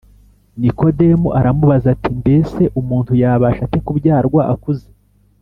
Nikodemu aramubaza ati: Mbese umuntu yabasha ate kubyarwa akuze?